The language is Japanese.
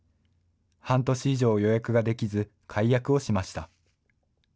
半年以上、予約ができず、解約をしました。